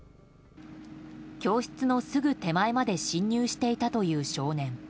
教室のすぐ手前まで侵入していたという少年。